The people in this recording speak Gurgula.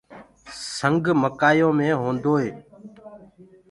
سنگ مڪآيو مي هوندوئي